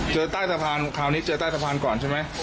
เจอใต้สะพานคราวนี้เหรอ